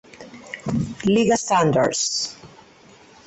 Liga standards.